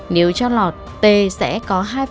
nếu cho lọt tê sẽ lấy năm triệu đồng tiền công ship